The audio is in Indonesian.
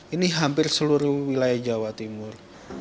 ini hampir seluruh wilayah jawa timur